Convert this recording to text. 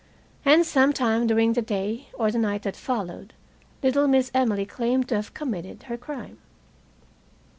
And some time, during that day or the night that followed, little Miss Emily claimed to have committed her crime.